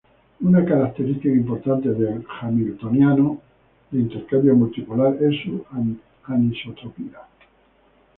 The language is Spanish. Una característica importante del hamiltoniano de intercambio multipolar es su anisotropía.